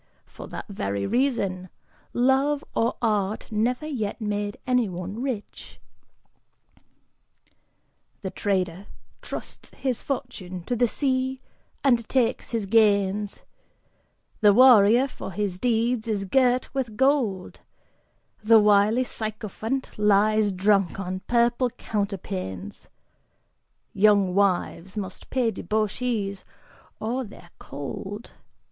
For that very reason; love or art never yet made anyone rich." The trader trusts his fortune to the sea and takes his gains, The warrior, for his deeds, is girt with gold; The wily sycophant lies drunk on purple counterpanes, Young wives must pay debauchees or they're cold.